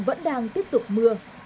vẫn đang tiếp tục mưa